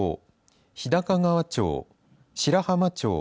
日高川町白浜町